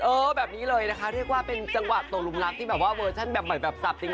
เออแบบนี้เลยนะคะเรียกว่าเป็นจังหวะตกลุมรักที่แบบว่าเวอร์ชั่นแบบใหม่แบบสับจริง